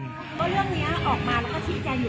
เพราะเรื่องนี้ออกมาแล้วก็ชิดใจอยู่หลายครั้งแล้ว